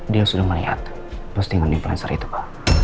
dia sudah melihat postingan influencer itu pak